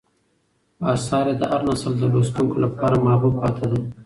آثار یې د هر نسل د لوستونکو لپاره محبوب پاتې دي.